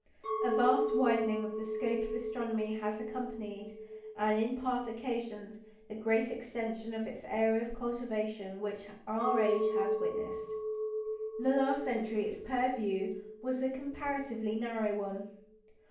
A vast widening of the scope of astronomy has accompanied, and in part occasioned, the great extension of its area of cultivation which our age has witnessed. In the last century its purview was a comparatively narrow one.